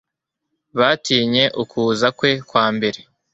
batinye ukuza kwe kwa mbere,